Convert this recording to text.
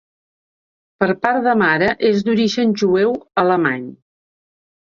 Per part de mare, és d'origen jueu alemany.